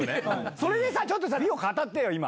それでさ、ちょっと美を語ってよ、今。